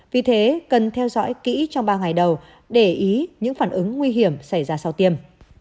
vì thế cần theo dõi kỹ trong ba ngày đầu để ý những phản ứng nguy hiểm xảy ra sau tiêm